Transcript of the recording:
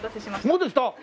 もうできた！？